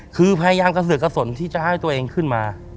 คือพยายามกระเสือกกระสนที่จะให้ตัวเองขึ้นมา